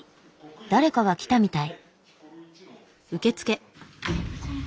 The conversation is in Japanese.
誰かが来たみたい。